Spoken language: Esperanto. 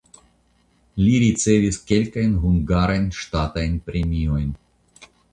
Li ricevis kelkajn hungarajn ŝtatajn premiojn.